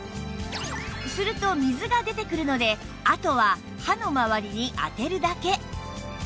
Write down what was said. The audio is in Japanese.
すると水が出てくるのであとは歯の周りに当てるだけ